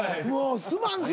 すまんす